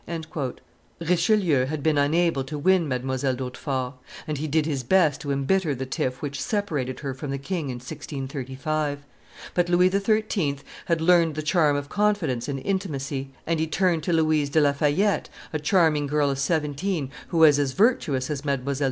Richelieu had been unable to win Mdlle. d'Hautefort; and he did his best to embitter the tiff which separated her from the king in 1635. But Louis XIII. had learned the charm of confidence and intimacy; and he turned to Louise de La Fayette, a charming girl of seventeen, who was as virtuous as Mdlle.